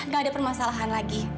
gak ada permasalahan lagi